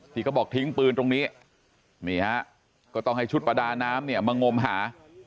ที่เขาบอกทิ้งปืนตรงนี้นี่ฮะก็ต้องให้ชุดประดาน้ำเนี่ยมางมหา